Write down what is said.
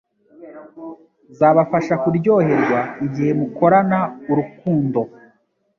zabafasha kuryoherwa igihe mukorana urukundo